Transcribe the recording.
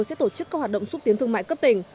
sẽ tổ chức các hoạt động xúc tiến thương mại cấp tỉnh